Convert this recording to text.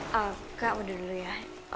kak muda dulu ya